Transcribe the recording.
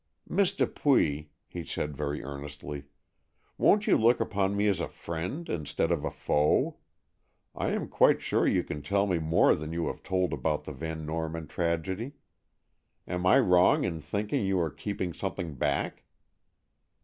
"Miss Dupuy," he said very earnestly, "won't you look upon me as a friend instead of a foe? I am quite sure you can tell me more than you have told about the Van Norman tragedy. Am I wrong in thinking you are keeping something back?"